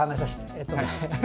えっとね。